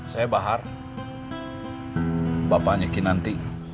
saya bahar bapaknya kinanti